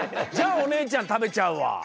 じゃあおねえちゃんたべちゃうわ！